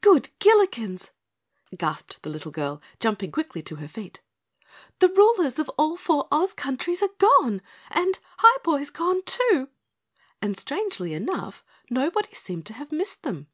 "Good Gillikens!" gasped the little girl, jumping quickly to her feet. "The rulers of all four Oz countries are gone and Highboy's gone, too." And strangely enough, nobody seemed to have missed them.